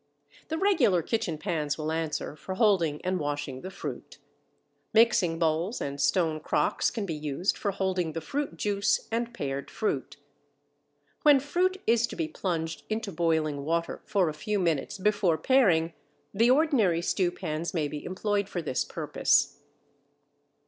The regular kitchen pans will answer for holding and washing the fruit. Mixing bowls and stone crocks can be used for holding the fruit juice and pared fruit. When fruit is to be plunged into boiling water for a few minutes before paring, the ordinary stewpans may be employed for this purpose.